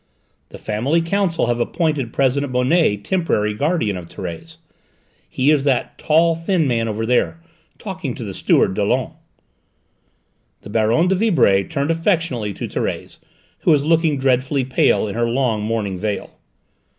The family council have appointed President Bonnet temporary guardian of Thérèse. He is that tall, thin man over there, talking to the steward, Dollon." The Baronne de Vibray turned affectionately to Thérèse, who was looking dreadfully pale in her long mourning veil.